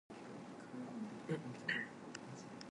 Hifadhi kwenye sehemu yenye ubaridi